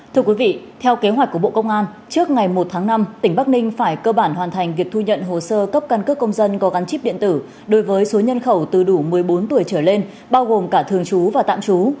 thưa quý vị theo kế hoạch của bộ công an trước ngày một tháng năm tỉnh bắc ninh phải cơ bản hoàn thành việc thu nhận hồ sơ cấp căn cước công dân có gắn chip điện tử đối với số nhân khẩu từ đủ một mươi bốn tuổi trở lên bao gồm cả thường trú và tạm trú